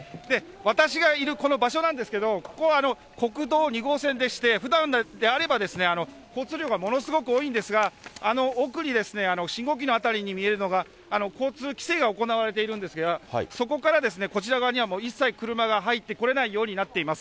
私がいる、この場所なんですけど、ここは国道２号線でして、ふだんであれば、交通量がものすごく多いんですが、あの奥に、信号機の辺りに見えるのが、交通規制が行われているんですが、そこからこちら側にはもう一切車が入ってこれないようになっています。